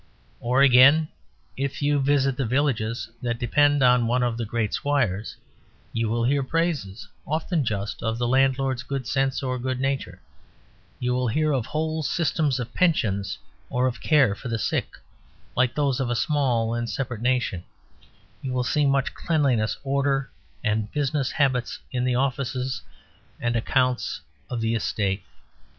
Or, again, if you visit the villages that depend on one of the great squires, you will hear praises, often just, of the landlord's good sense or good nature; you will hear of whole systems of pensions or of care for the sick, like those of a small and separate nation; you will see much cleanliness, order, and business habits in the offices and accounts of the estate.